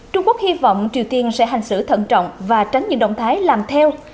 trung quốc hy vọng triều tiên sẽ hành xử thận trọng và tránh những động thái làm theo